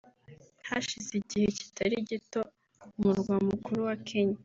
Hashize igihe kitari gito umurwa mukuru wa Kenya